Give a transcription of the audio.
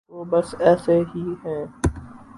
وہ بس ایسے ہی ہیں۔